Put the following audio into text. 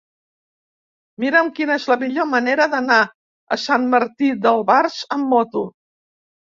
Mira'm quina és la millor manera d'anar a Sant Martí d'Albars amb moto.